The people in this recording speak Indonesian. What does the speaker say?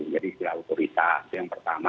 jadi istilah otorita itu yang pertama